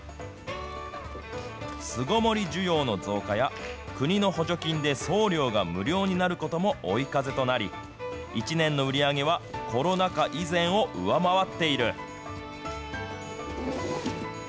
巣ごもり需要の増加や、国の補助金で送料が無料になることも追い風となり、１年の売り上げはコロナ禍以前を上回っている。